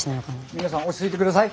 皆さん落ち着いて下さい。